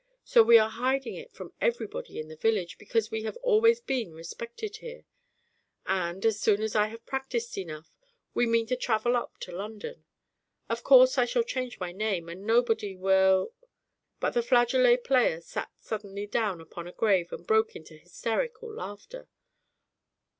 So we are hiding it from everybody in the village, because we have always been respected here; and, as soon as I have practiced enough, we mean to travel up to London. Of course I shall change my name, and nobody will " But the flageolet player sat suddenly down upon a grave and broke into hysterical laughter.